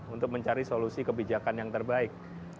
untuk mencari solusi kebijakan yang terbaik